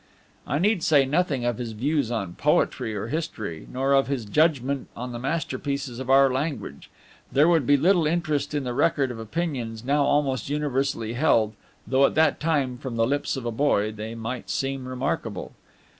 I need say nothing of his views on poetry or history, nor of his judgment on the masterpieces of our language. There would be little interest in the record of opinions now almost universally held, though at that time, from the lips of a boy, they might seem remarkable.